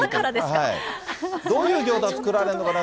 どういうギョーザを作られるのかな。